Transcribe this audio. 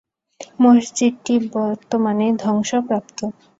মসজিদটি বর্তমানে ধ্বংসপ্রাপ্ত।